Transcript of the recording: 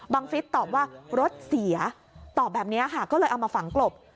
ฟิศตอบว่ารถเสียตอบแบบนี้ค่ะก็เลยเอามาฝังกลบ